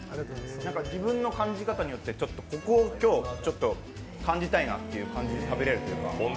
自分の感じ方によって、今日こう感じたいなという感じで食べられるというか。